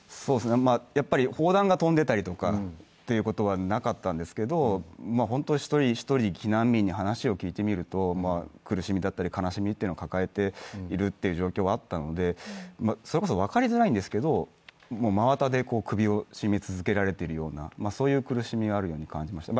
やっぱり砲弾が飛んでいたりということはなかったんですけど、本当に一人一人、避難民に話を聞いてみると苦しみだったり悲しみを抱えている状況があったので、それこそわかりづらいんですけど、真綿で首を絞められているようなそういう苦しみはあるように感じました。